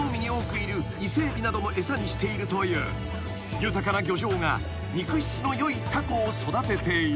［豊かな漁場が肉質のよいタコを育てている］